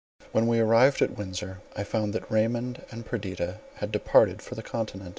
When we arrived at Windsor, I found that Raymond and Perdita had departed for the continent.